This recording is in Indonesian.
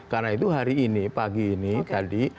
karena itu hari ini pagi ini tadi